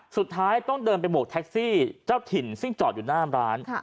สุดท้ายต้องเดินไปบวกแท็กซี่เจ้าถิ่นซึ่งจอดอยู่หน้าร้าน